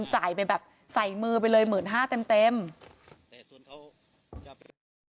จ่ายไปแบบใส่มือไปเลยหมื่นห้าเต็มเต็มแต่ส่วนเขาครับ